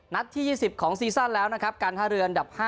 ที่๒๐ของซีซั่นแล้วนะครับการท่าเรืออันดับ๕